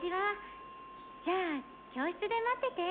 じゃあ教室で待ってて。